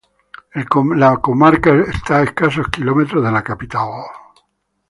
La comarca esta a escasos kilómetros de la capital.